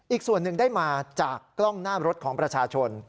อีกส่วนหนึ่งได้มาจากกล้องหน้ารถของประชาชน